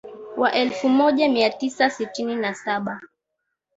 Wa elfu moja mia tisa sitini na saba